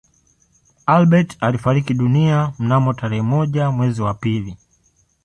Albert alifariki dunia mnamo tarehe moja mwezi wa pili